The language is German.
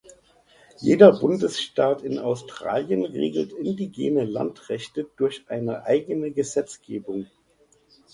Jeder Bundesstaat in Australien regelt indigene Landrechte durch eine eigene Gesetzgebung.